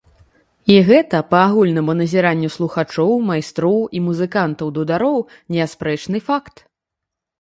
І гэта, па агульнаму назіранню слухачоў, майстроў і музыкантаў-дудароў, неаспрэчны факт!